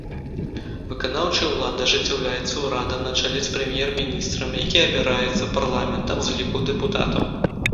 Выканаўчая ўлада ажыццяўляецца ўрадам на чале з прэм'ер-міністрам, які абіраецца парламентам з ліку дэпутатаў.